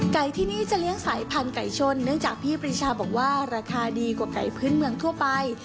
ไก่ที่นี่จะเลี้ยงสายพันธุไก่ชนเนื่องจากพี่ปริชาบอกว่าราคาดีกว่าไก่พื้นเมืองทั่วไป